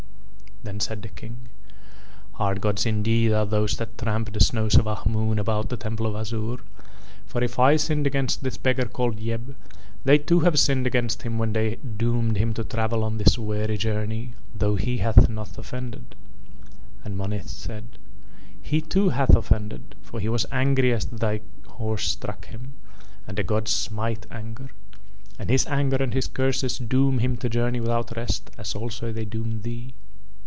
Then said the King: "Hard gods indeed are those that tramp the snows of Ahmoon about the temple of Azure, for if I sinned against this beggar called Yeb, they too have sinned against him when they doomed him to travel on this weary journey though he hath not offended." And Monith said: "He too hath offended, for he was angry as thy horse struck him, and the gods smite anger. And his anger and his curses doom him to journey without rest as also they doom thee."